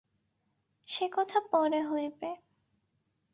সে কথা পরে হইবে।